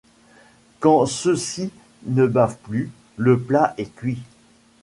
Quand ceux-ci ne bavent plus, le plat est cuit.